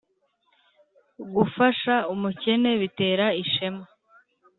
gufasha umukene bitera ishema